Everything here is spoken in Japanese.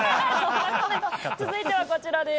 続いてはこちらです。